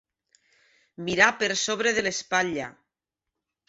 Mirar per sobre de l'espatlla.